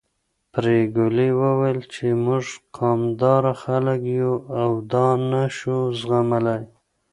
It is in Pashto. پري ګلې ويل چې موږ قامداره خلک يو او دا نه شو زغملی